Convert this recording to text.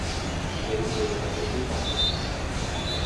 你攰就早啲瞓啦